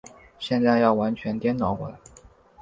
现在要完全颠倒过来。